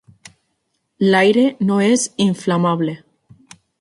L'aire no és inflamable.